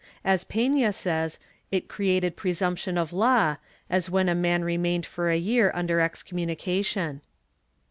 As Pefia says, it created presumption of law, as when a man remained for a year under excommunication.